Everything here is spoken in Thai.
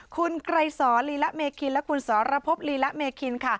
คุณไกรสอนลีละเมคินและคุณสรพบลีละเมคินค่ะ